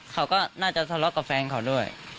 เขาก็น่าจะทะเลาะกับแฟนเขาด้วย